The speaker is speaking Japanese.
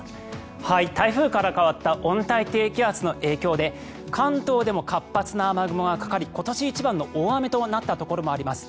台風から変わった温帯低気圧の影響で関東でも活発な雨雲がかかり今年一番の大雨となったところもあります。